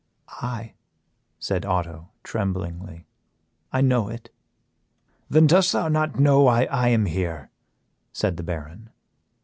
"Aye," said Otto, tremblingly, "I know it." "Then dost thou not know why I am here?" said the Baron.